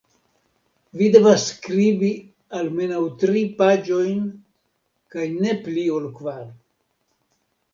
Vi devas skribi almenaŭ tri paĝojn kaj ne pli ol kvar.